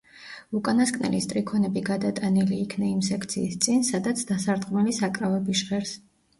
უკანასკნელი სტრიქონები გადატანილი იქნა იმ სექციის წინ, სადაც დასარტყმელი საკრავები ჟღერს.